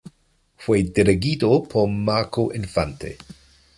Fue dirigido por Marco Infante.